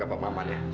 tapi kalau padamu